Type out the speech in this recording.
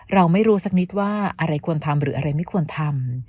เราไม่รู้สักนิดว่าอะไรควรทำหรืออะไรไม่ควรทำ